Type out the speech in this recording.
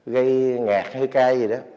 gây ngạt hay cay gì đó